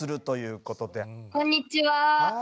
こんにちは。